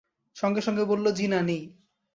সঙ্গে-সঙ্গে বলল, জ্বি-না, নেই।